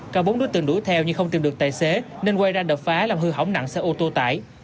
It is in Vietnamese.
cả bốn đối tượng đuổi theo nhưng không tìm được tài xế nên quay ra đập phá làm hư hỏng nặng xe ô tô tải